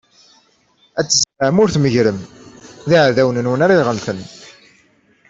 Ad tzerrɛem ur tmeggrem: D iɛdawen-nwen ara iɣelten.